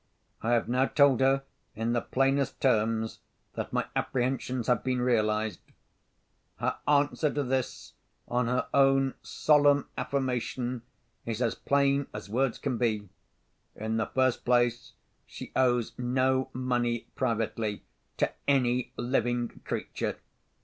I have now told her, in the plainest terms, that my apprehensions have been realised. "Her answer to this, on her own solemn affirmation, is as plain as words can be. In the first place, she owes no money privately to any living creature.